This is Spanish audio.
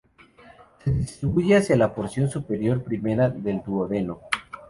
Se distribuye hacia la porción superior primera del duodeno.